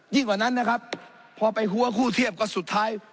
กว่านั้นนะครับพอไปหัวคู่เทียบก็สุดท้าย